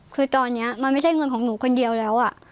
คือตอนนี้มันไม่ใช่เงินของหนูคนเดียวแล้ว